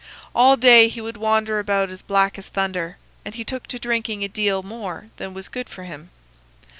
All day he would wander about as black as thunder, and he took to drinking a deal more than was good for him.